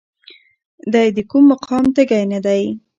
دی د کوم مقام تږی نه دی.